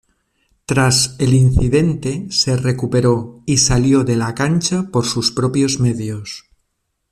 Tras el incidente se recuperó y salió de la cancha por sus propios medios.